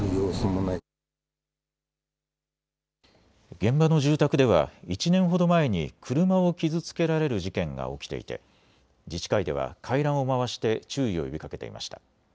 現場の住宅では１年ほど前に車を傷つけられる事件が起きていて自治会では回覧を回して注意を呼びかけていました。